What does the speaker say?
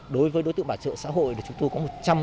đối với đối tượng bảo trợ xã hội thì chúng tôi có một trăm linh